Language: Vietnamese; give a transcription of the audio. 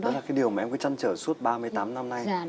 đó là cái điều mà em cứ chăn trở suốt ba mươi tám năm nay